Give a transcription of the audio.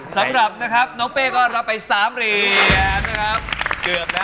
สำหรับน้องเป้ก็รับไป๓ลีน